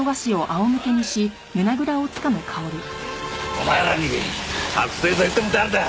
お前らに覚醒剤売ったの誰だ！？